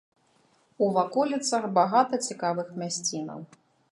У ваколіцах багата цікавых мясцінаў.